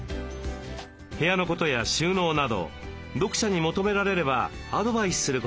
部屋のことや収納など読者に求められればアドバイスすることもあります。